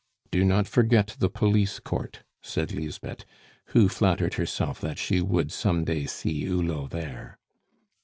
"Do not forget the police court," said Lisbeth, who flattered herself that she would some day see Hulot there.